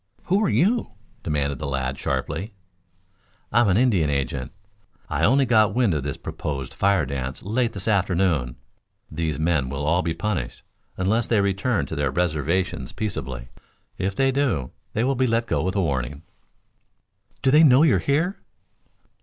"Who are you?" demanded the lad sharply. "I'm an Indian agent. I only got wind of this proposed fire dance late this afternoon. These men will all be punished unless they return to their reservations peaceably. If they do, they will be let go with a warning." "Do they know you're here?"